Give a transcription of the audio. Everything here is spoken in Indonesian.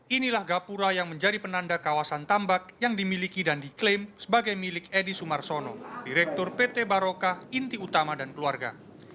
inilah gapura yang menjadi penanda kawasan tambak yang dimiliki dan diklaim sebagai milik edi sumarsono direktur pt baroka inti utama dan keluarga